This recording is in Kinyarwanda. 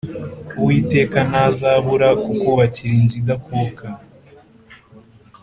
Uwiteka ntazabura kukubakira inzu idakuka